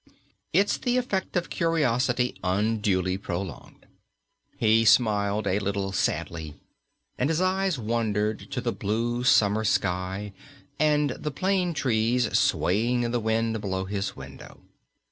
It's the effect of curiosity unduly prolonged." He smiled a little sadly and his eyes wandered to the blue summer sky and the plane trees swaying in the wind below his window.